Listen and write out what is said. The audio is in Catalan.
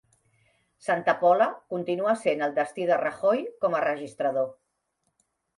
Santa Pola continua sent el destí de Rajoy com a registrador